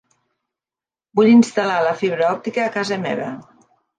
Vull instal·lar la fibra òptica a casa meva.